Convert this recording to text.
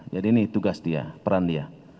jadi ini tugas dia peran dia